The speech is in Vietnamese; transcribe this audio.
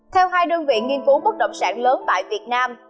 theo hai đơn vị nghiên cứu bất động sản lớn tại việt nam